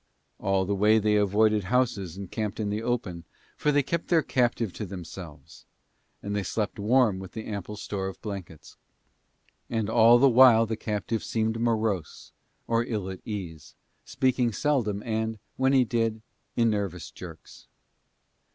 All the way they avoided houses and camped in the open, for they kept their captive to themselves: and they slept warm with their ample store of blankets. And all the while the captive seemed morose or ill at ease, speaking seldom and, when he did, in nervous jerks.